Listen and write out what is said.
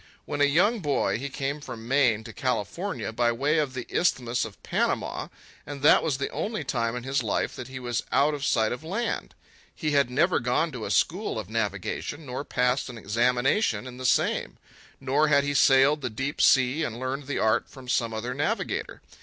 When a young boy he came from Maine to California by way of the Isthmus of Panama, and that was the only time in his life that he was out of sight of land. He had never gone to a school of navigation, nor passed an examination in the same; nor had he sailed the deep sea and learned the art from some other navigator.